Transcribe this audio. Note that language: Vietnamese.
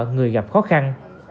người gặp khó khăn